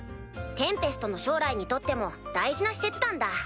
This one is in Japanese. テンペストの将来にとっても大事な使節団だ。